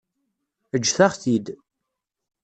Ǧǧet-aɣ-t-id.